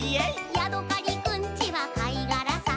「ヤドカリくんちはかいがらさ」